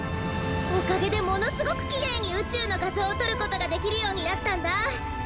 おかげでものすごくきれいにうちゅうのがぞうをとることができるようになったんだ！